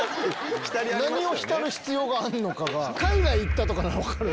何を浸る必要があるのかが。